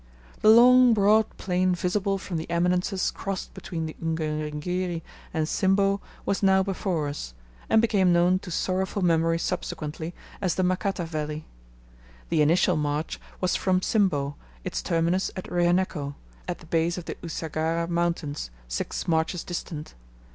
The long broad plain visible from the eminences crossed between the Ungerengeri and Simbo was now before us, and became known to sorrowful memory subsequently, as the Makata Valley. The initial march was from Simbo, its terminus at Rehenneko, at the base of the Usagara mountains, six marches distant.